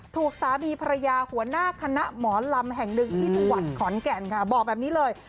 ถูกสามีภรรยาหัวหน้าคณะหมอลำแห่งหนึ่งที่จังหวัดขอนแก่นค่ะบอกแบบนี้เลย